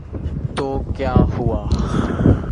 تو کیا ہوا۔